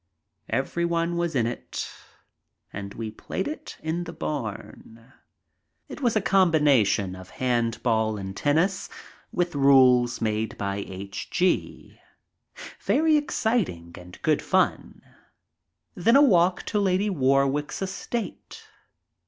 Everyone was in it and we played it in the bam. It was a combination of handball and tennis, with rules made by H. G. Very exciting and good fun. Then a walk to Lady Warwick's estate.